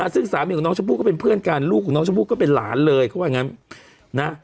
ซึ่งสามีของน้องชมพู่ก็เป็นเพื่อนกันลูกของน้องชมพู่ก็เป็นหลานเลยเขาว่าอย่างนั้นนะ